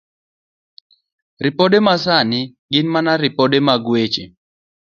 Ripode Masani Gin mana ripode mag weche